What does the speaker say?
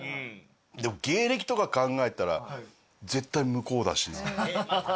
でも芸歴とか考えたら絶対向こうだしな。